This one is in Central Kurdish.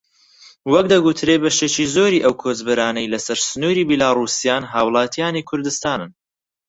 وەک دەگوترێت بەشێکی زۆری ئەو کۆچبەرانەی لەسەر سنووری بیلاڕووسیان هاوڵاتیانی کوردستانن